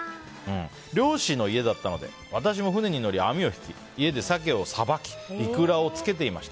漁師の家だったので私も船に乗り網を引き家で鮭をさばきイクラを漬けていました。